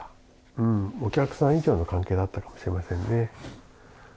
うんお客さん以上の関係だったかもしれませんね。